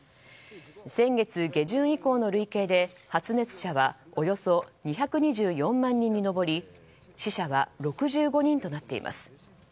先月下旬以降の累計で発熱者はおよそ２２４万人に上り死者は６５人となっています。